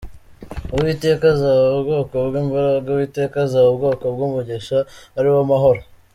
Uwiteka azaha ubwoko bwe imbaraga, Uwiteka azaha ubwoko bwe umugisha, ari wo mahoro.